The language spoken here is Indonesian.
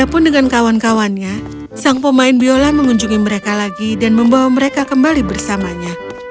ada pun dengan kawan kawannya sang pemain biola mengunjungi mereka lagi dan membawa mereka kembali bersamanya